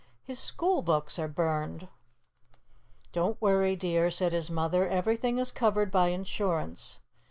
"His school books are burned." "Don't worry, dear," said his mother. "Everything is covered by insurance.